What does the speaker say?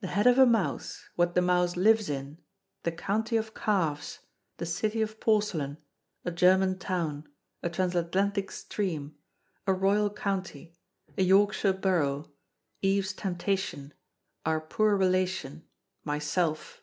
The head of a mouse, what the mouse lives in, the county of calves, the city of porcelain, a German town, a Transatlantic stream, a royal county, a Yorkshire borough, Eve's temptation, our poor relation, myself.